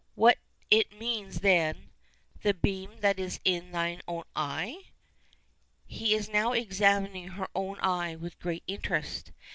"What's it mean, then 'The beam that is in thine own eye?'" He is now examining her own eye with great interest.